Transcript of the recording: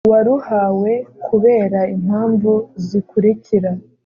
Uwaruhawe kubera impamvu zikurikira